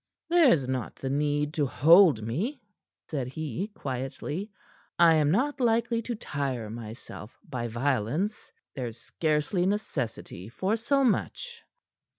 "There's not the need to hold me," said he quietly. "I am not likely to tire myself by violence. There's scarcely necessity for so much."